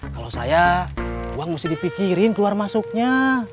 kalau saya uang mesti dipikirin keluar masuknya